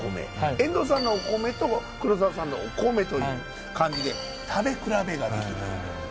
遠藤さんのお米と黒澤さんのお米という感じで食べ比べができる。